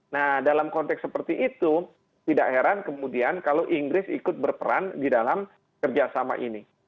nah dalam konteks seperti itu tidak heran kemudian kalau inggris ikut berperan di dalam kerjasama ini